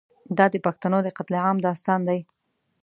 دا د پښتنو د قتل عام داستان دی.